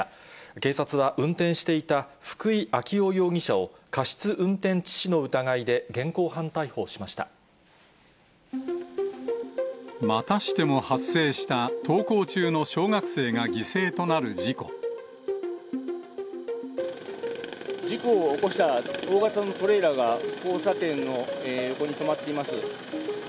警察は、運転していた福井暁生容疑者を過失運転致死の疑いで現行犯逮捕しまたしても発生した、登校中事故を起こした大型のトレーラーが、交差点の横に止まっています。